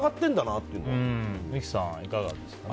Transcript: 三木さんはいかがですか？